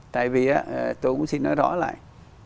tại vì á tôi cũng xin nói rõ lại